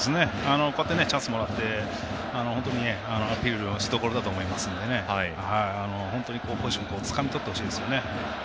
こうやってチャンスもらって本当にアピールのしどころだと思いますので、ポジションつかみとってほしいですね。